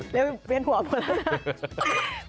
แล้วเบียนหัวพอแล้ว